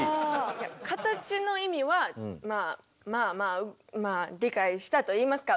いや形の意味はまあまあまあ理解したといいますか。